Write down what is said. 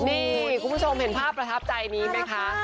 นี่คุณผู้ชมเห็นภาพประทับใจนี้ไหมคะ